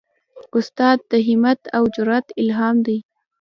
استاد د همت او جرئت الهام دی.